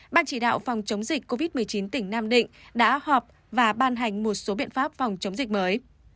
ban chỉ đạo phòng chống dịch covid một mươi chín tỉnh nam định đã họp và ban hành một số biện pháp phòng chống dịch mới